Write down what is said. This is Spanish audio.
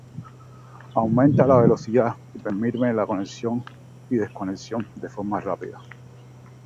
Aumenta la velocidad y permite la conexión y desconexión de forma rápida.